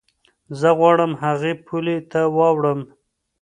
زه غواړم هغې پولې ته واوړم.